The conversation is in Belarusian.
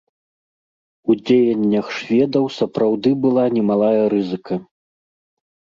У дзеяннях шведаў сапраўды была немалая рызыка.